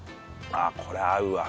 ああこれ合うわ。